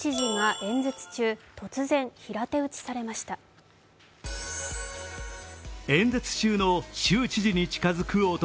演説中の州知事に近づく男。